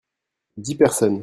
Dix personnes.